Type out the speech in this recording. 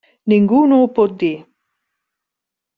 Ningú no ho pot dir.